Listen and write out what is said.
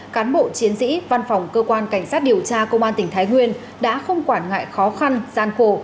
cán bộ chiến sĩ văn phòng cơ quan cảnh sát điều tra công an tỉnh thái nguyên đã không quản ngại khó khăn gian khổ